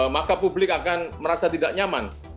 maka publik akan merasa tidak nyaman